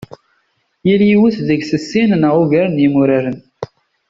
Tal yiwet deg-s sin neɣ ugar n yimuraren.